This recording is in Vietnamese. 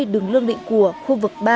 đường lương định cùa khu vực ba